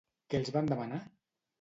Què els van demanar?